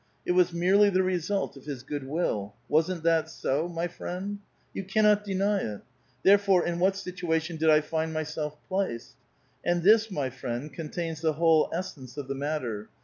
It was merely the result of his good will. Wasn't that so, my friend? You cannot deny it. There fore, in what situation did I find myself placed ! And this, my friend, contains the whole essence of the matter.